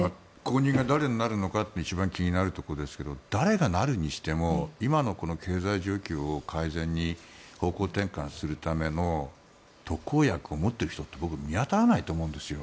後任が誰になるのかというところが一番気になりますが誰がなるにしても今の経済状況を改善に方向転換するための特効薬を持っている人って僕、見当たらないと思うんですよ